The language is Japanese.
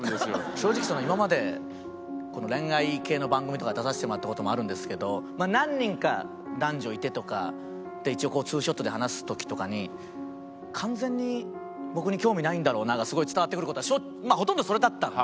正直今まで恋愛系の番組とかに出させてもらった事もあるんですけど何人か男女いてとかで一応２ショットで話す時とかに完全に僕に興味ないんだろうながすごい伝わってくる事はまあほとんどそれだったんで。